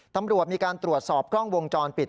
ตำรวจมีการตรวจสอบกล้องวงจรปิด